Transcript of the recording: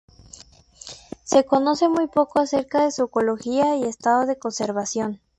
Se conoce muy poco acerca de su ecología y estado de conservación.